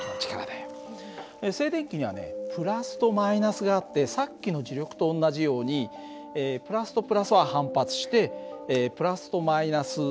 静電気にはねプラスとマイナスがあってさっきの磁力と同じようにプラスとプラスは反発してプラスとマイナスは引き合う。